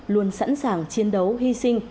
luôn sẵn sàng chiến đấu hy sinh